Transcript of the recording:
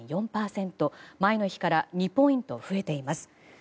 前の日から２ポイント増えています。